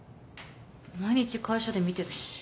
毎日会社で見てるし。